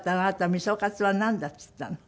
みそカツはなんだって言ったの？